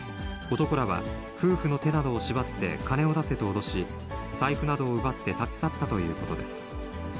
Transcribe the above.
男らは、夫婦の手などを縛って、金を出せと脅し、財布などを奪って立ち去ったということです。